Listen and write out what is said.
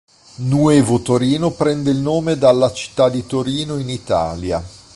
Nuevo Torino prende il nome dalla città di Torino in Italia.